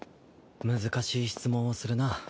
難しい質問をするな。